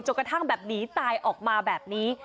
กระทั่งแบบหนีตายออกมาแบบนี้